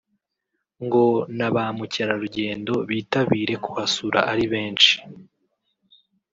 ngo na ba mukerarugendo bitabire kuhasura ari benshi